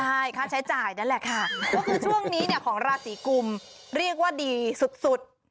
ใช่ค่าใช้จ่ายนั่นแหละค่ะก็คือช่วงนี้เนี่ยของราศีกุมเรียกว่าดีสุด